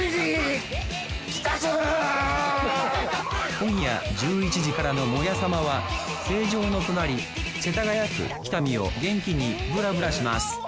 今夜１１時からの「モヤさま」は成城の隣世田谷区喜多見を元気にブラブラします。